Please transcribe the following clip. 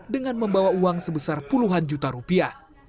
dengan membawa uang sebesar puluhan juta rupiah